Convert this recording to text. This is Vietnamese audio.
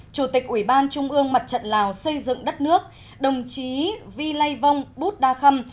chủ tịch ủy ban trung ương mặt trận lào xây dựng đất nước đồng chí vi lai vong bút đa khâm